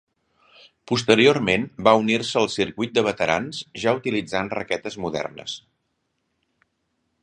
Posteriorment va unir-se al circuit de veterans ja utilitzant raquetes modernes.